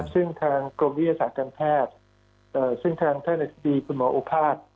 ซึ่งทางกรมวิทยาศาสตร์การแพทย์ซึ่งทางท่านอธิบดีคุณหมอโอภาษย์